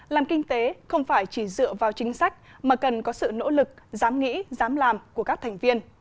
làm kinh tế không phải chỉ dựa vào chính sách mà cần có sự nỗ lực dám nghĩ dám làm của các thành viên